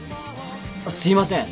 すいません。